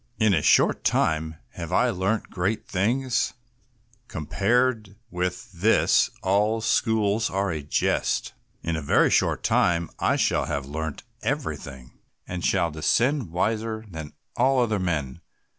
In a short time have I learnt great things; compared with this all schools are a jest; in a very short time I shall have learnt everything, and shall descend wiser than all other men.